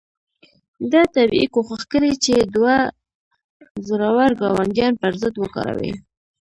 ده طبیعي کوښښ کړی چې دوه زورور ګاونډیان پر ضد وکاروي.